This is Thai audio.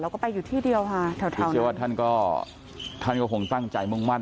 แล้วก็ไปอยู่ที่เดียวค่ะแถวเชื่อว่าท่านก็ท่านก็คงตั้งใจมุ่งมั่น